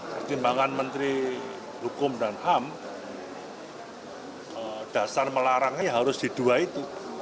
pertimbangan menteri hukum dan ham dasar melarangnya harus di dua itu